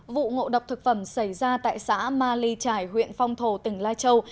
vụ ngộ độc thực phẩm xảy ra tại xã ma ly trải huyện phong thổ tỉnh lai châu